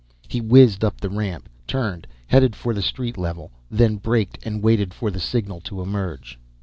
He whizzed up the ramp, turned, headed for the street level, then braked and waited for the signal to emerge.